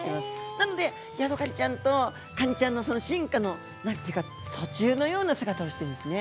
なのでヤドカリちゃんとカニちゃんの進化の途中のような姿をしてるんですね。